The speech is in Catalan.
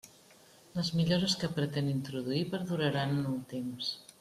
Les millores que pretén introduir perduraran en el temps.